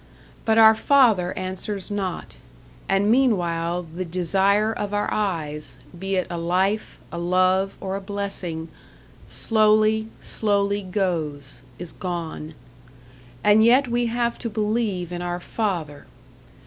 But our Father answers not; and meanwhile the desire of our eyes be it a life, a love, or a blessing slowly, slowly goes is gone. And yet we have to believe in our Father.